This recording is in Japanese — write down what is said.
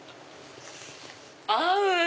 合う！